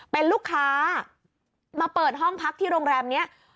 เป็นลูกค้ามาเปิดห้องพักที่โรงแรมนี้